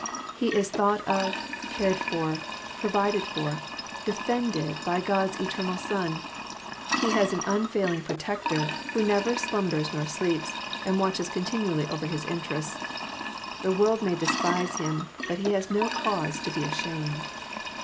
He is thought of, cared for, provided for, defended by God's eternal Son. He has aa unfailing Protector, who never slumbers or sleeps, and watches continually over his interests. The world may despise him, but he has no cause to be ashamed.